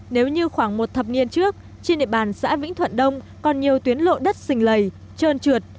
nếu như khoảng một thập niên trước trên địa bàn xã vĩnh thuận đông còn nhiều tuyến lộ đất xình lầy trơn trượt